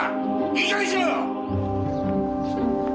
いい加減にしろよ！